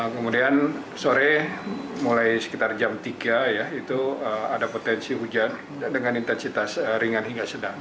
kemudian sore mulai sekitar jam tiga ya itu ada potensi hujan dengan intensitas ringan hingga sedang